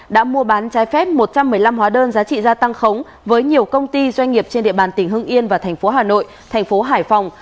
đã mua bán trái phép một trăm một mươi năm hóa đơn giá trị gia tăng khống với nhiều công ty doanh nghiệp trên địa bàn tỉnh hưng yên và thành phố hà nội thành phố hải phòng